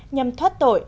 nhằm thoát tội